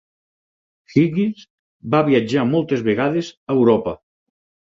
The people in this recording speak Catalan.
Higgins va viatjar moltes vegades a Europa.